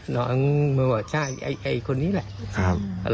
น้องมันบอกใช่ไอ้คนนี้แหละครับ